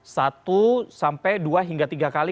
satu sampai dua hingga tiga kali